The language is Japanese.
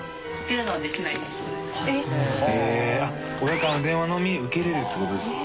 親からの電話のみ受けれるってことですか？